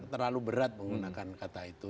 terlalu berat menggunakan kata itu